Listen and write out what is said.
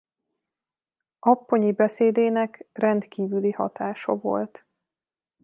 Apponyi beszédének rendkívüli hatása volt.